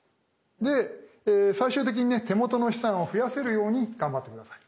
で最終的にね手元の資産を増やせるように頑張って下さい。